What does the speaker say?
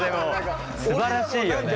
すばらしいよね。